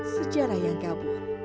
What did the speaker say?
sejarah yang kabur